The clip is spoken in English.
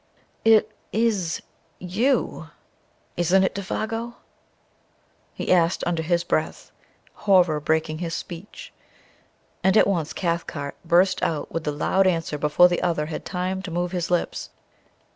"It is YOU, isn't it, Défago?" he asked under his breath, horror breaking his speech. And at once Cathcart burst out with the loud answer before the other had time to move his lips.